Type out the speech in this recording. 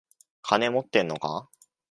金持ってんのか？